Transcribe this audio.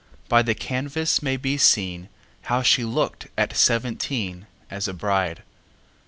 By the canvas may be seenHow she look'd at seventeen, As a bride.